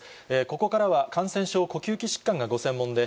ここからは感染症、呼吸器疾患がご専門で、